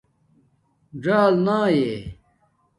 ژݴل نائئ